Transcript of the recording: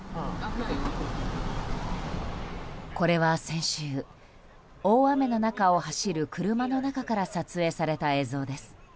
これは先週、大雨の中を走る車の中から撮影された映像です。